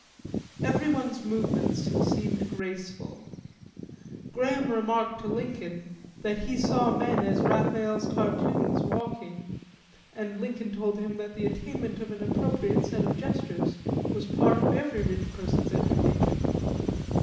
Everyone's movements seemed graceful. Graham remarked to Lincoln that he saw men as Raphael's cartoons walking, and Lincoln told him that the attainment of an appropriate set of gestures was part of every rich person's education.